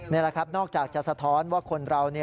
นี่แหละครับนอกจากจะสะท้อนว่าคนเรา